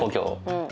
うん。